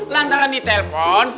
lantaran di telepon